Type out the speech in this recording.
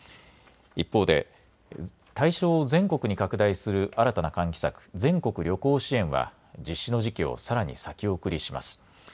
一方で対象を全国に拡大する新たな喚起策、全国旅行支援は実施の時期をさらに先送りします。